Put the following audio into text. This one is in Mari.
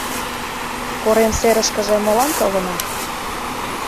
— Корем серышкыже молан толынат?